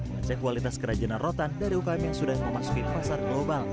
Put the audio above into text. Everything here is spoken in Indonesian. mengecek kualitas kerajinan rotan dari ukm yang sudah memasuki pasar global